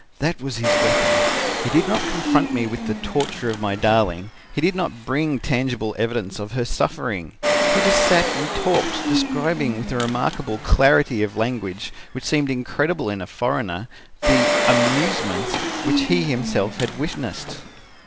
"That was his weapon. He did not confront me with the torture of my darling, he did not bring tangible evidence of her suffering he just sat and talked, describing with a remarkable clarity of language which seemed incredible in a foreigner, the 'amusements' which he himself had witnessed.